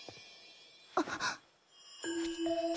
あっ。